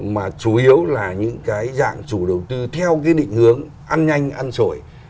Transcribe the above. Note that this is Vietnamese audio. mà chủ yếu là những cái dạng chủ đầu tư theo cái định hướng ăn nhanh ăn sổi